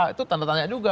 itu tanda tanya juga